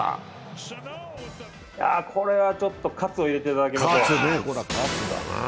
これはちょっと喝を入れていただきましょう。